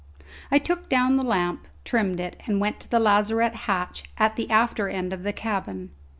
I took down the lamp, trimmed it, and went to the lazarette hatch at the after end of the cabin.